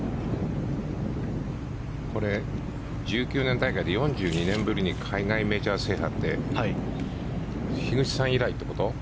これ、１９年大会で４２年ぶりに海外メジャー制覇って樋口さん以来ってこと？